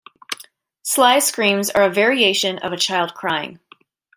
Sly's screams are a variation of a child crying.